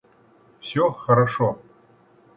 Всё хорошо